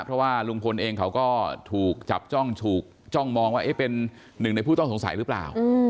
เพราะว่าลุงพลเองเขาก็ถูกจับจ้องถูกจ้องมองว่าเป็นหนึ่งในผู้ต้องสงสัยหรือเปล่า